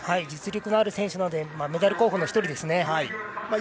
実力のある選手なのでメダル候補の１人です。